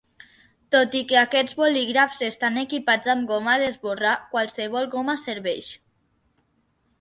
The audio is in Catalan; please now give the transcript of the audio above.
Tot i que aquests bolígrafs estan equipats amb goma d'esborrar, qualsevol goma serveix.